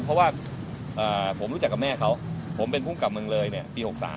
เพราะว่าผมรู้จักกับแม่เขาผมเป็นผู้กำรึงเลยปี๑๙๖๓